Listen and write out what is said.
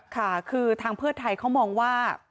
ค่ะถ้าพฤทธายเชื่อมว่า